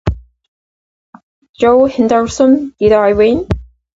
Joe Henderson, Did I win?